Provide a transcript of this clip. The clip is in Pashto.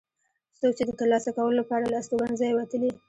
څوک چې د ترلاسه کولو لپاره له استوګنځیو وتلي.